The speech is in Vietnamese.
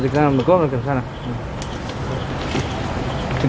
dịch ra mở cốp rồi kiểm tra nào